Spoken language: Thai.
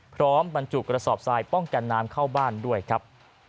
บรรจุกระสอบทรายป้องกันน้ำเข้าบ้านด้วยครับ